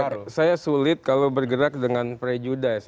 ya saya sulit kalau bergerak dengan prejudice